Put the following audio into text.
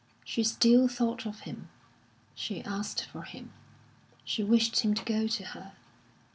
She still thought of him, she asked for him, she wished him to go to her.